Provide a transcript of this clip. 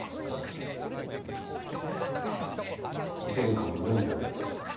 殿下を恨んでおいでで？